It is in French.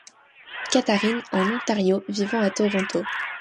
Catharines en Ontario, vivant à Toronto.